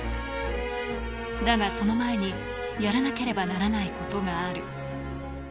だが、その前に、やらなければならないことがある。